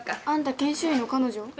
あんた研修医の彼女？